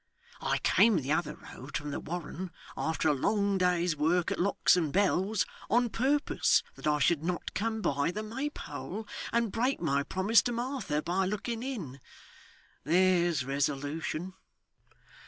I came the other road from the Warren after a long day's work at locks and bells, on purpose that I should not come by the Maypole and break my promise to Martha by looking in there's resolution!